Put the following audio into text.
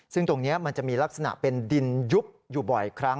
ซึ่งตรงนี้มันจะมีลักษณะเป็นดินยุบอยู่บ่อยครั้ง